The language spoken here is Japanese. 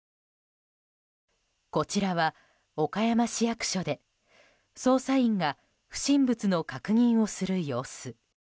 こちらは、岡山市役所で捜査員が不審物の確認をする様子。